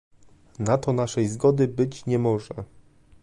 Na to naszej zgody być nie może